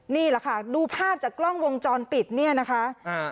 นี่แหละค่ะดูภาพจากกล้องวงจรปิดเนี่ยนะคะอ่า